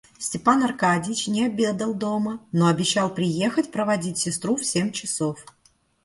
Степан Аркадьич не обедал дома, но обещал приехать проводить сестру в семь часов.